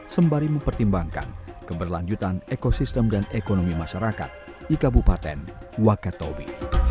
sembari mempertimbangkan keberlanjutan ekosistem dan ekonomi masyarakat di kabupaten wakatobi